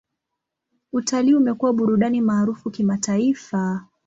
Utalii umekuwa burudani maarufu kimataifa.